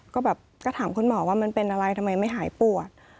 ก็แบบก็ถามคุณหมอว่ามันเป็นอะไรทำไมไม่หายปวด